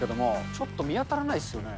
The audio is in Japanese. ちょっと見当たらないっすよね。